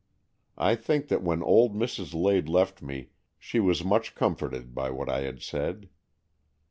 I think that when old Mrs. Lade left me, she was much com forted by what I had said.